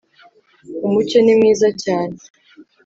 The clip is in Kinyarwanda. umucyo, ni mwiza cyane